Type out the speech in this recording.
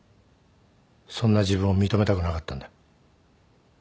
そんな自分を認めたくなかったんだ。